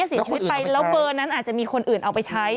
เสียชีวิตไปแล้วเบอร์นั้นอาจจะมีคนอื่นเอาไปใช้